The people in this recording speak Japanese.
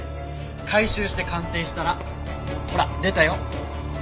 回収して鑑定したらほら出たよ